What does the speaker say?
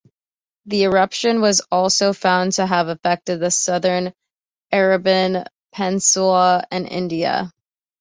The eruption was also found to have affected the southern Arabian Peninsula and India.